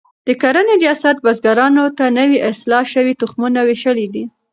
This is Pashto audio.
د کرنې ریاست بزګرانو ته نوي اصلاح شوي تخمونه ویشلي دي.